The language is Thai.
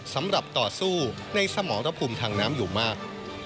สำหรับต่อสู้ในสมรภูมิทางน้ำอยู่มาก